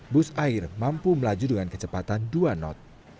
bus air mampu melaju dengan kecepatan dua knot